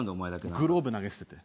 グローブ投げ捨てて。